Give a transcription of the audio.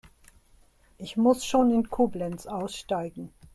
Ich muss schon in Koblenz aussteigen